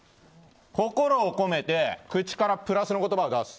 心を込めて口からプラスの言葉を出す。